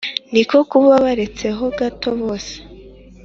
niko kkuba baretse ho gato bose